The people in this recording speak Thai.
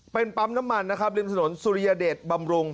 เป็นปั๊มน้ำมันนะครับริมถนนสุริยเดชบำรุง